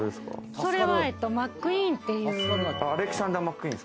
これはマックイーンっていう。